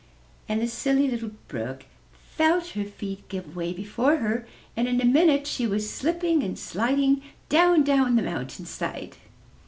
And the Silly Little Brook felt her feet give way before her, and in a minute she was slipping and sliding down, down the mountain side.